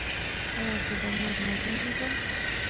ایا زه به نور نه جنګیږم؟